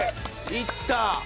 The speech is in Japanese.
いった。